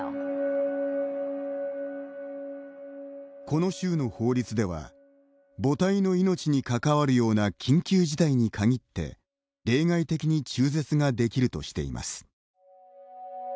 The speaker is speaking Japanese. この州の法律では、母体の命に関わるような緊急事態に限って例外的に中絶ができるとしています。